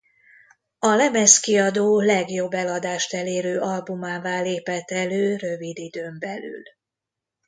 A lemezkiadó legjobb eladást elérő albumává lépett elő rövid időn belül.